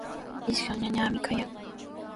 Ishkan ñañami kayan.